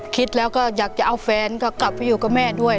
คิดแล้วก็อยากจะเอาแฟนก็กลับไปอยู่กับแม่ด้วย